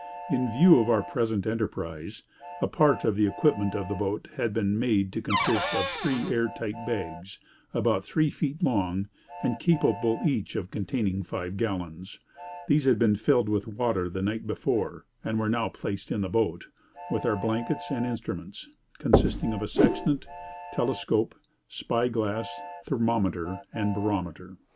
In view of our present enterprise, a part of the equipment of the boat had been made to consist of three air tight bags, about three feet long, and capable each of containing five gallons. These had been filled with water the night before, and were now placed in the boat, with our blankets and instruments, consisting of a sextant, telescope, spy glass, thermometer, and barometer.